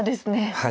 はい。